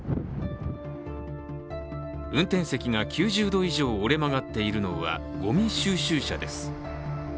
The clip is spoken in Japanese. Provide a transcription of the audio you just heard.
運転席が９０度以上、折れ曲がっているのはごみ収集車です。